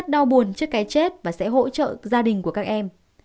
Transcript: các nhà chức trách đều đau buồn trước cái chết và sẽ hỗ trợ gia đình của các em